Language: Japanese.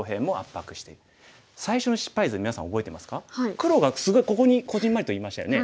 黒がすごいここにこぢんまりといましたよね。